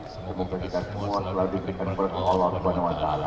semoga berjaya semua semoga berjaya semua